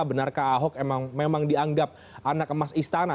benarkah ahok memang dianggap anak emas istana